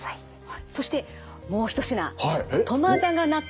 そしてもう一品